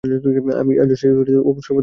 আজ সেই অপু সর্বপ্রথম গ্রামের বাহিরে পা দিল।